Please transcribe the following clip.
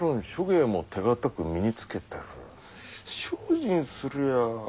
精進すりゃあ